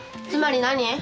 つまり何？